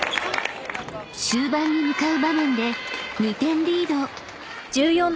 ［終盤に向かう場面で２点リード］